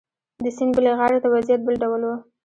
د سیند بلې غاړې ته وضعیت بل ډول و.